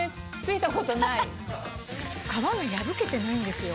皮が破けてないんですよ。